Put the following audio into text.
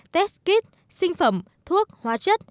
test kit sinh phẩm thuốc hóa chất